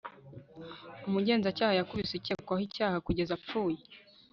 Umugenzacyaha yakubise ukekwaho icyaha kugeza apfuye